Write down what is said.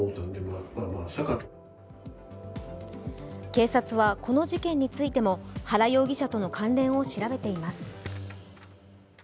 警察はこの事件についても原容疑者の関連を調べています。